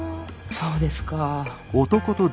そうですか。